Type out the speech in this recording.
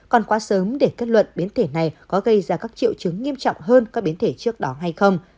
còn quá sớm để kết luận biến thể này có gây ra các triệu chứng nghiêm trọng hơn các biến thể trước đó hay không